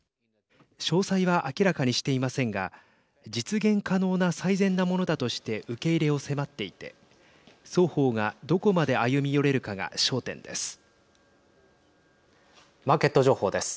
詳細は明らかにしていませんが実現可能な最善のものだとして受け入れを迫っていて双方が、どこまで歩み寄れるかが焦点です。